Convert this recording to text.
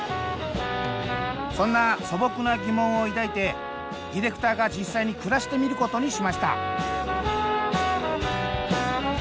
そんな素朴な疑問を抱いてディレクターが実際に暮らしてみることにしました。